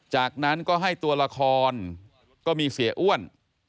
จากนั้นก็ให้ตัวละครก็มีเสียอ้วน